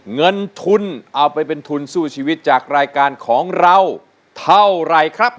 เงินทุนเอาไปเป็นทุนสู้ชีวิตจากรายการของเราเท่าไหร่ครับ